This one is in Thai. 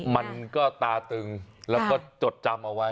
มันก็ตาตึงแล้วก็จดจำเอาไว้